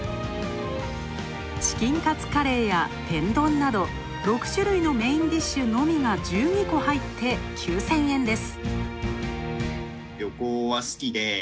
チキンカツカレーや天丼など６種類のメインディッシュのみが１２個入って９０００円です。